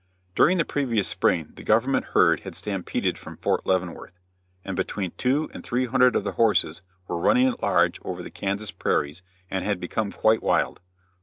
During the previous spring the government herd had stampeded from Fort Leavenworth, and between two and three hundred of the horses were running at large over the Kansas prairies, and had become quite wild.